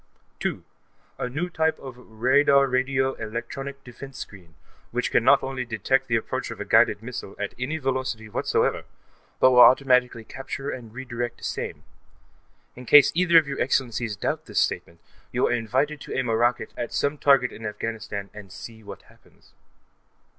2.) A new type of radar radio electronic defense screen, which can not only detect the approach of a guided missile, at any velocity whatever, but will automatically capture and redirect same. In case either of your Excellencies doubt this statement, you are invited to aim a rocket at some target in Afghanistan and see what happens.